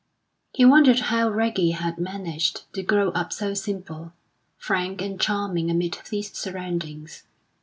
He wondered how Reggie had managed to grow up so simple, frank, and charming amid these surroundings.